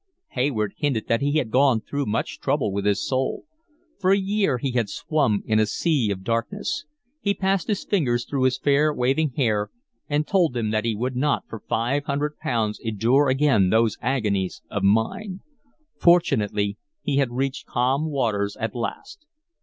Hayward hinted that he had gone through much trouble with his soul. For a year he had swum in a sea of darkness. He passed his fingers through his fair, waving hair and told them that he would not for five hundred pounds endure again those agonies of mind. Fortunately he had reached calm waters at last.